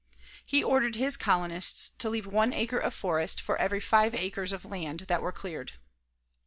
He ordered his colonists to leave one acre of forest for every five acres of land that were cleared.